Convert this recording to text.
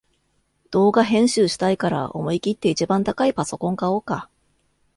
動画編集したいから思いきって一番高いパソコン買おうか